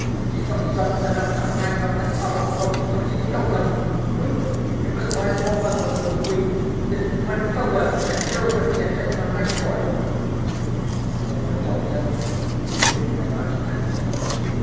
She's got strength enough to hang onto other folks till she kills 'em. Weak? It was my poor mother that was weak: this woman killed her as sure as if she had taken a knife to her.' "But the Doctor he didn't pay much attention.